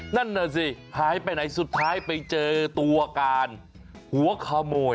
นั่นน่ะสิหายไปไหนสุดท้ายไปเจอตัวการหัวขโมย